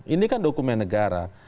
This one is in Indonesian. ini kan dokumen negara